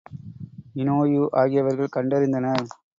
Inoue ஆகியவர்கள் கண்டறிந்தனர்.